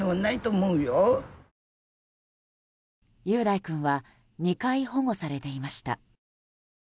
雄大君は２回保護されていました。